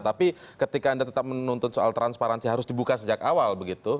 tapi ketika anda tetap menuntut soal transparansi harus dibuka sejak awal begitu